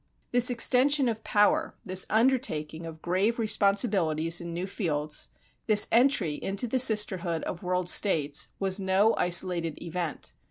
This extension of power, this undertaking of grave responsibilities in new fields, this entry into the sisterhood of world states, was no isolated event.